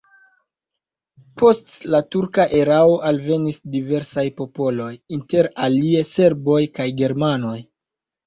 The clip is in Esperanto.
Post la turka erao alvenis diversaj popoloj, inter alie serboj kaj germanoj.